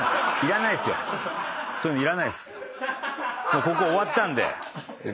もうここ終わったんで。